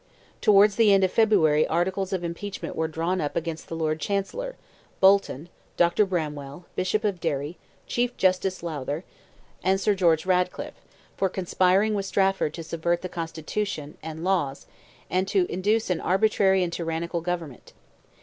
Towards the end of February articles of impeachment were drawn up against the Lord Chancellor, Bolton, Dr. Bramhall, Bishop of Derry, Chief Justice Lowther, and Sir George Radcliffe, for conspiring with Strafford to subvert the constitution, and laws, and to introduce an arbitrary and tyrannical government.